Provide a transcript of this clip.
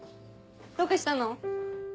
どうかしたの？